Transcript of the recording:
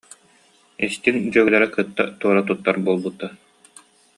Истиҥ дьүөгэлэрэ кытта туора туттар буолбуттара